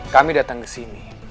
kami datang kesini